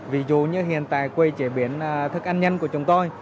ví dụ như hiện tại quầy chế biến thức ăn nhân của chúng tôi